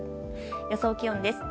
予想気温です。